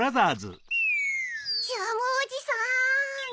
ジャムおじさん。